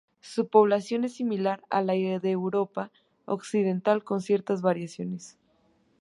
Su población es similar a la de Europa Occidental, con ciertas variaciones.